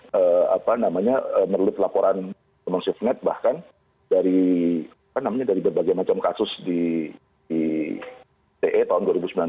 dan apa namanya melalui kelaporan komunisif net bahkan dari berbagai macam kasus di ite tahun dua ribu sembilan belas